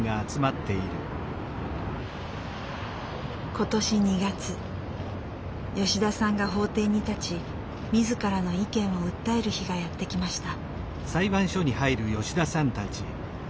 今年２月吉田さんが法廷に立ち自らの意見を訴える日がやって来ました。